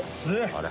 あれ？